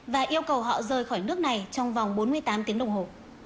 và yêu cầu họ rời khỏi nước này trong vòng bốn mươi tám tiếng đồng hồ